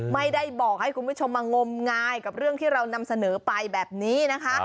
ไม่ได้บอกให้คุณผู้ชมมางมงายกับเรื่องที่เรานำเสนอไปแบบนี้นะคะ